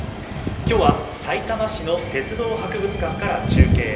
きょうはさいたま市の鉄道博物館から中継。